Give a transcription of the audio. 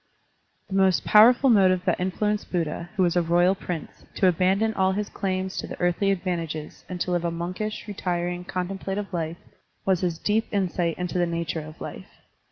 The most powerful motive that influenced Buddha, who was a royal prince, to abandon all his claims to the earthly advantages and to live a monkish, retiring, contemplative life, was his deep insight into the nature of life.